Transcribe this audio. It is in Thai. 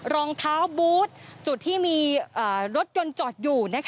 รองเท้าบูธจุดที่มีรถยนต์จอดอยู่